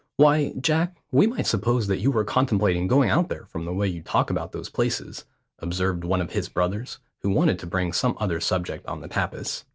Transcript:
"Why, Jack, we might suppose that you were contemplating going out there from the way you talk about those places," observed one of his brothers, who wanted to bring some other subject on the tapis.